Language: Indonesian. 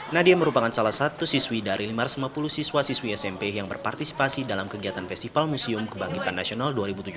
nadia merupakan salah satu siswi dari lima ratus lima puluh siswa siswi smp yang berpartisipasi dalam kegiatan festival museum kebangkitan nasional dua ribu tujuh belas